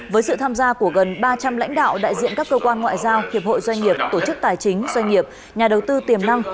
với sự tham gia của gần ba trăm linh lãnh đạo đại diện các cơ quan ngoại giao hiệp hội doanh nghiệp tổ chức tài chính doanh nghiệp nhà đầu tư tiềm năng